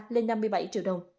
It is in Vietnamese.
lên năm mươi bảy triệu đồng